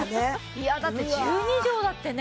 いやだって１２畳だってね